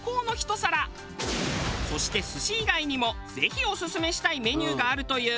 そして寿司以外にもぜひオススメしたいメニューがあるという。